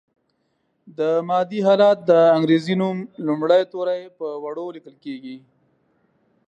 د مادې حالت د انګریزي نوم لومړي توري په وړو لیکل کیږي.